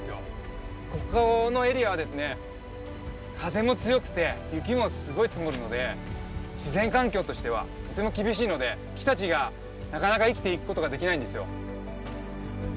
ここのエリアはですね風も強くて雪もすごい積もるので自然環境としてはとても厳しいので木たちがなかなか生きていくことができないんですよ。